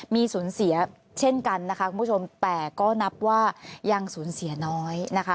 มีสูญเสียเช่นกันนะคะคุณผู้ชมแต่ก็นับว่ายังสูญเสียน้อยนะคะ